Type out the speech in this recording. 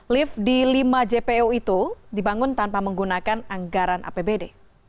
lift di lima jpo itu dibangun tanpa menggunakan anggaran apbd